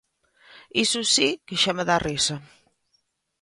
Iso si que xa me dá a risa.